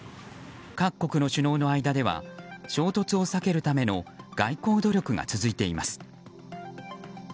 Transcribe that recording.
各国の首脳の間では衝突を避けるための外交努力が続いています。